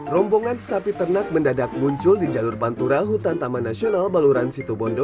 rombongan sapi ternak mendadak muncul di jalur pantura hutan taman nasional baluran situbondo